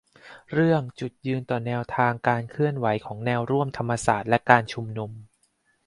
เรื่อง จุดยืนต่อแนวทางการเคลื่อนไหวของแนวร่วมธรรมศาสตร์และการชุมนุม